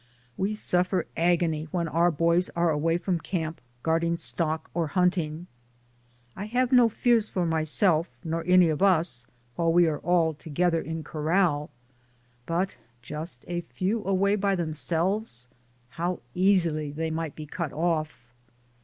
We suffer agony when our boys are away from camp guarding stock or hunting. I have no fears for myself nor any of us while we are all together in corral ; but just a few away by themselves, how easily they might be cut off.